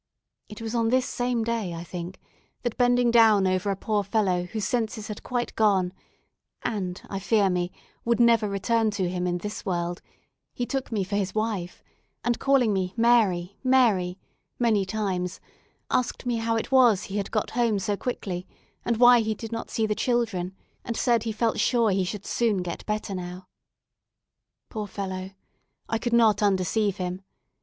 It was on this same day, I think, that bending down over a poor fellow whose senses had quite gone, and, I fear me, would never return to him in this world, he took me for his wife, and calling me "Mary, Mary," many times, asked me how it was he had got home so quickly, and why he did not see the children; and said he felt sure he should soon get better now. Poor fellow! I could not undeceive him.